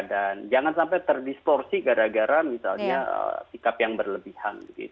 dan jangan sampai terdistorsi gara gara misalnya sikap yang berlebihan